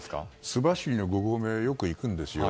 須走の５合目によく行くんですよ。